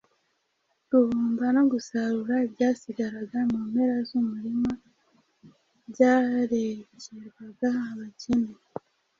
Guhumba no gusarura ibyasigaraga mu mpera z’umurima byarekerwaga abakene